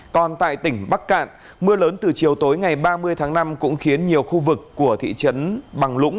còn tại tỉnh bắc cạn mưa lớn từ chiều tối ngày ba mươi tháng năm cũng khiến nhiều khu vực của thị trấn bằng lũng